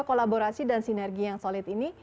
kolaborasi dan sinergi yang solid ini